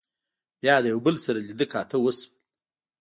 بيا د يو بل سره لیدۀ کاتۀ وشول